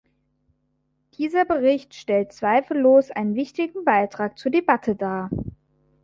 Dieser Bericht stellt zweifellos einen wichtigen Beitrag zur Debatte dar.